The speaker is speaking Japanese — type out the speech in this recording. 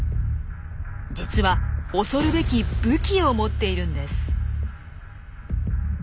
実は恐るべき武器を持っているんです。